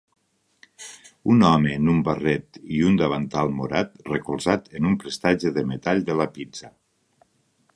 Un home en un barret i un davantal morat recolzat en un prestatge de metall de la pizza